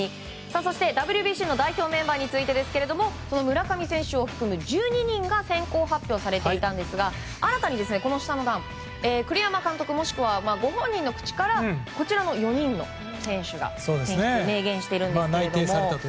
そして、ＷＢＣの代表メンバーについてですが村上選手を含む１２人が先行発表されていたんですが新たに栗山監督もしくはご本人の口からこちらの４人の選手を選出すると明言しているんですけれども。